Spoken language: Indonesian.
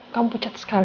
kamu pucat sekali